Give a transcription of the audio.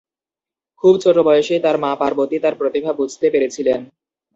খুব ছোট বয়সেই তাঁর মা পার্বতী তাঁর প্রতিভা বুঝতে পেরেছিলেন।